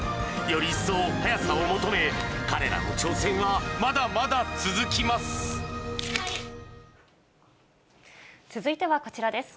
より一層、速さを求め、彼らの挑戦はまだまだ続きます。